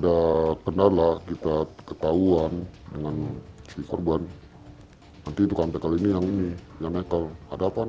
ada kendala kita ketahuan dengan si korban nanti tukang bekal ini yang ini yang nekal ada apa nih